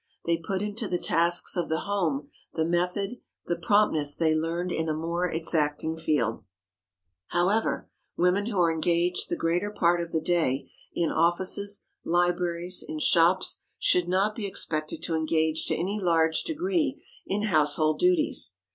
They put into the tasks of the home the method, the promptness they learned in a more exacting field. [Sidenote: AFTER WORKING HOURS] However, women who are engaged the greater part of the day in offices, libraries, in shops, should not be expected to engage to any large degree in household duties.